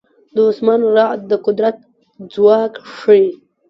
د اسمان رعد د قدرت ځواک ښيي.